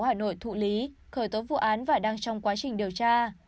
hà nội thụ lý khởi tố vụ án và đang trong quá trình điều tra